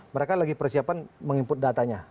mereka lagi persiapan meng input datanya